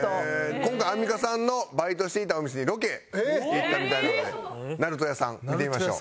今回アンミカさんのバイトしていたお店にロケ行ったみたいなので鳴門屋さん見てみましょう。